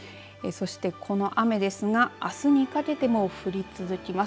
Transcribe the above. そして、この雨ですがあすにかけても降り続きます。